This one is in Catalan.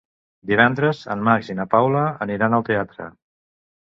Divendres en Max i na Paula aniran al teatre.